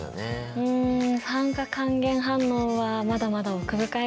うん酸化還元反応はまだまだ奥深いからね。